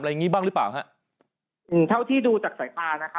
อะไรอย่างงี้บ้างหรือเเปล่าครับถ้าที่ดูจากสายตานะ